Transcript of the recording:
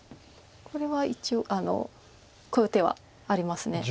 これは一応こういう手はあります。